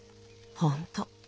ほんと。